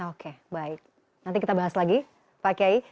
oke baik nanti kita bahas lagi pak kiai